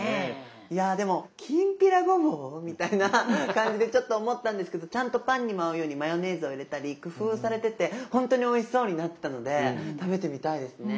いやでもきんぴらごぼう？みたいな感じでちょっと思ったんですけどちゃんとパンにも合うようにマヨネーズを入れたり工夫をされててほんとにおいしそうになってたので食べてみたいですね。